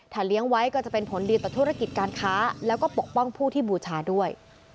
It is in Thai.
เลี้ยงไว้ก็จะเป็นผลดีต่อธุรกิจการค้าแล้วก็ปกป้องผู้ที่บูชาด้วย